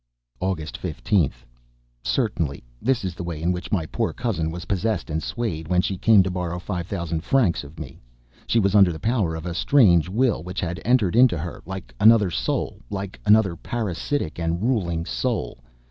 August 15th. Certainly this is the way in which my poor cousin was possessed and swayed, when she came to borrow five thousand francs of me. She was under the power of a strange will which had entered into her, like another soul, like another parasitic and ruling soul.